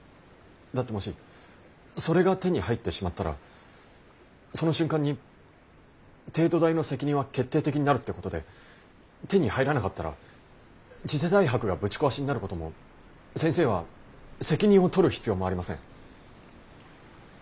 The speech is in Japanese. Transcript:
だってもしそれが手に入ってしまったらその瞬間に帝都大の責任は決定的になるってことで手に入らなかったら次世代博がぶち壊しになることも先生は責任を取る必要もありません。